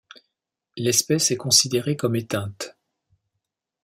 L'espèce est considérée comme éteinte.